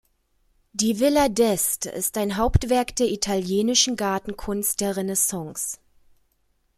Die Villa d’Este ist ein Hauptwerk der italienischen Gartenkunst der Renaissance.